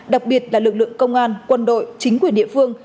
đặc biệt là lực lượng công an quân đội chính quyền địa phương